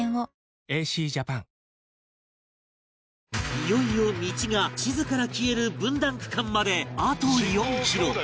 いよいよ道が地図から消える分断区間まであと４キロ